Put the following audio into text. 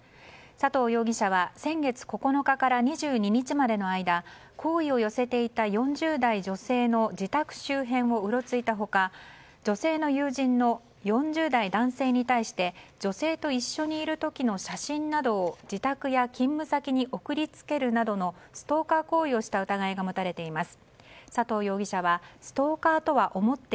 佐藤容疑者は先月９日から２２日までの間好意を寄せていた４０代女性の自宅周辺をうろついた他女性の友人の４０代男性に対して女性と一緒にいる時の写真などを自宅や勤務先に送り付けるなどのストーカー行為をした疑いが持たれています。